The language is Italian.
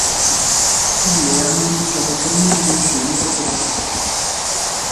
I due hanno iniziato a fare musica insieme poco dopo.